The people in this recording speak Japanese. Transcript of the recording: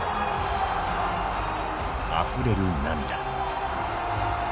あふれる涙。